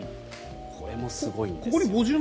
これもすごいんですよね。